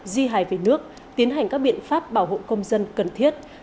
di hài về nước tiến hành các biện pháp bảo hộ công dân cần thiết